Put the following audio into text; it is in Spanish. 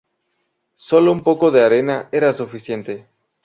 Sólo un poco de arena era suficiente.